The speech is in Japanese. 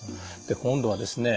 で今度はですね